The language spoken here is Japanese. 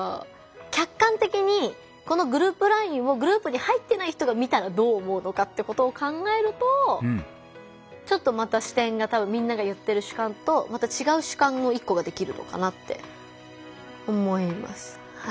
客観的にこのグループＬＩＮＥをグループに入ってない人が見たらどう思うのかってことを考えるとちょっとまた視点がみんなが言ってる主観とまた違う主観の一個ができるのかなって思います。